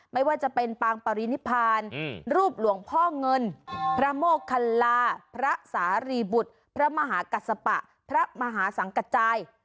ไม่ว่าจะเป็นปางปรินิพานรูปหลวงพ่อเงินพระโมคัลลาพระสารรีบุตรพระมหากัสปะพระมหาสังกระจาย